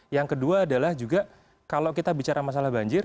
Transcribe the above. yang kedua adalah juga kalau kita bicara masalah banjir